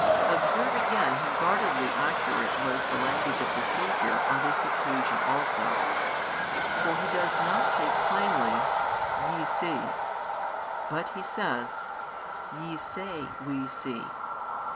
Observe again how guardedly accurate was the language of the Saviour on this occasion also; for He does not say plainly, "Ye see," but He says: Ye say, We see.